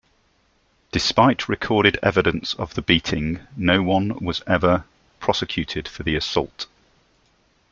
Despite recorded evidence of the beating, no one was ever prosecuted for the assault.